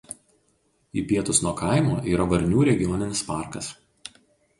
Į pietus nuo kaimo yra Varnių regioninis parkas.